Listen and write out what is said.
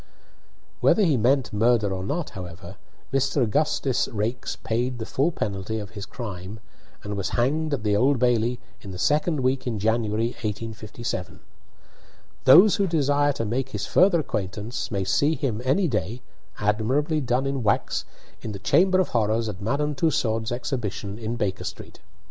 Whether he meant murder or not, however, Mr. Augustus Raikes paid the full penalty of his crime, and was hanged at the Old Bailey in the second week in January, 1857. Those who desire to make his further acquaintance may see him any day (admirably done in wax) in the Chamber of Horrors at Madame Tussaud's exhibition, in Baker Street.